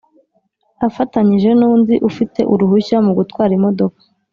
afatanyije n undi ufite uruhushya mu gutwara imodoka